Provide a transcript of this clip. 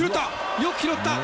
よく拾った！